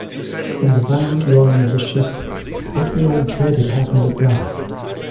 From the violent rolling of the ship, what we all dreaded happened at last.